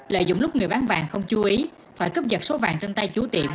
lợi dụng lúc người bán vàng không chú ý thoại cấp giật số vàng trên tay chú tiệm